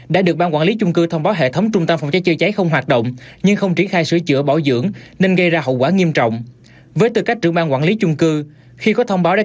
để đạt mục tiêu thì chương trình mới chỉ là điều kiện cần